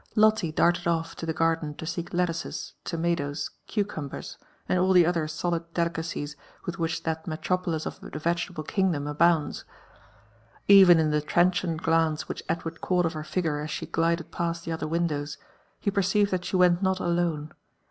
Lotle darted otTio the garden to seek lettuces, lomatoes> cuv crimliers, and ail the other solid delicacies with which that metropolis of the vegetabl<; kingdom abounds. Even in the transient glance which Edward caught of her figure a$ she glided past the other windows, he perceived that she went not alone.